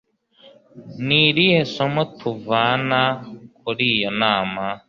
Ni irihe somo tuvana kuri iyo nama?